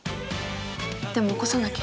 でも起こさなきゃ。